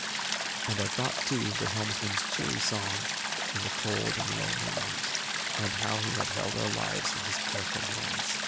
And I thought too of the helmsman's cheery song in the cold and lonely night, and how he had held our lives in his careful hands.